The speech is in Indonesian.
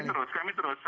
tidak kami terus